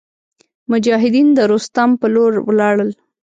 مجاهدین د روستام په لور ولاړل.